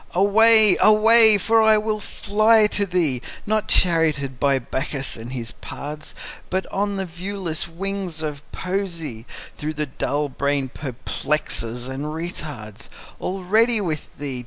Away! away! for I will fly to thee, Not charioted by Bacchus and his pards, But on the viewless wings of Poesy, Though the dull brain perplexes and retards: Already with thee!